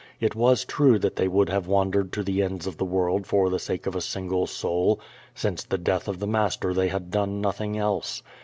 It was true that they would have wandered to the ends of the world for the sake of a single soul. Since the death of the Master they had done nothing else.